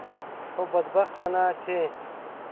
خو بدبختانه چې.